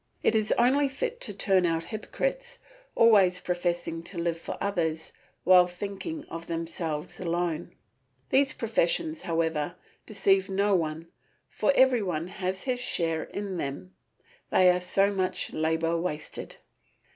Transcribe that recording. It is only fit to turn out hypocrites, always professing to live for others, while thinking of themselves alone. These professions, however, deceive no one, for every one has his share in them; they are so much labour wasted.